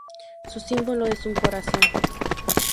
Su símbolo es un corazón.